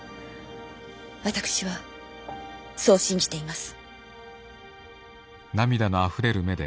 私はそう信じています。